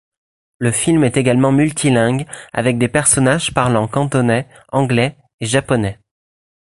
Le film est également multilingue avec des personnages parlant cantonais, anglais et japonais.